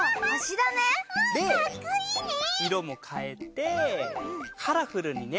で色も変えてカラフルにね。